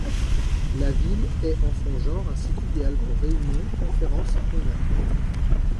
La ville est en son genre un site idéal pour réunions, conférences et congrès.